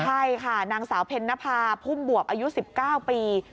ใช่ค่ะนางสาวเพ็ญนภาพุ่มบวบอายุ๑๙ปี